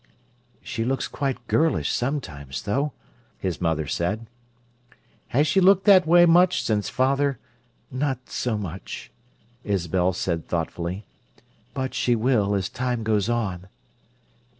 "She looks quite girlish, sometimes, though," his mother said. "Has she looked that way much since father—" "Not so much," Isabel said thoughtfully. "But she will, as times goes on."